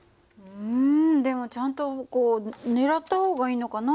うんでもちゃんとこう狙った方がいいのかなと思って。